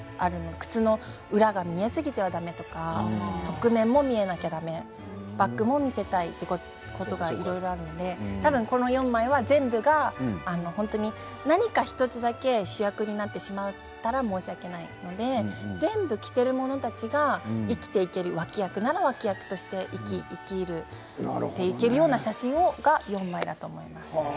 靴の裏が見えすぎたらだめとか側面が見えなくてだめとかバッグも見せたいということがいろいろあるのでこの４枚は全部が本当に何か１つだけ主役になってしまったら申し訳ないので全部着ているものたちが生きていける、脇役なら脇役として生きるそういう写真４枚だと思います。